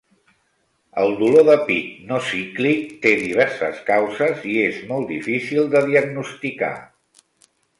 El dolor de pit no cíclic té diverses causes i és molt difícil de diagnosticar.